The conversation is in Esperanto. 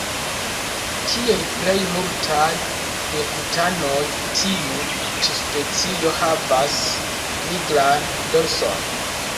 Kiel plej multaj de tukanoj tiu ĉi specio havas nigran dorson.